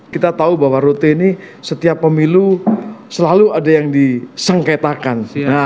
kita tahu bahwa rote ini setiap pemilu selalu ada yang disengketakan